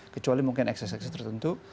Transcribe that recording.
kecuali mungkin akses tertentu